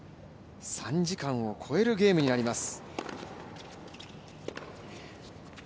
３時間を超えるゲームになります。